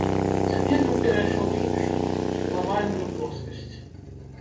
Цяпер ён перайшоў у іншую, глабальную плоскасць.